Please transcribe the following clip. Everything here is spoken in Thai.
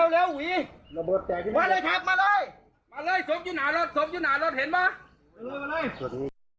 มาแล้วเอ้ยเอาล่ะเอาล่ะเอ้ย